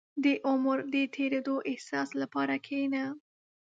• د عمر د تېرېدو احساس لپاره کښېنه.